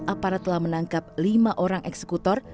aparat telah menangkap lima orang eksekutor